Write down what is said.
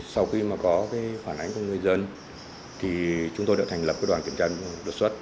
sau khi có phản ánh của người dân chúng tôi đã thành lập đoàn kiểm tra đột xuất